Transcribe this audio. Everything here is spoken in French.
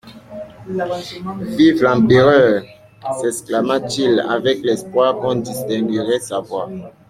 Vive l'Empereur ! s'exclama-t-il, avec l'espoir qu'on distinguerait sa voix.